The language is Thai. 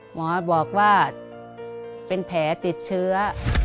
หมอบอกว่าเป็นแผลติดเชื้อ